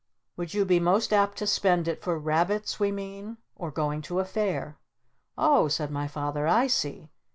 _ Would you be most apt to spend it for Rabbits, we mean? Or going to a Fair?" "Oh," said my Father, "I see!